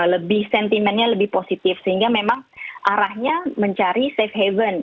lebih sentimennya lebih positif sehingga memang arahnya mencari safe haven